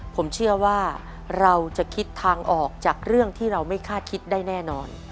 ผมเชื่อว่าเราจะคิดทางออกจากเรื่องที่เราไม่คาดคิดได้แน่นอน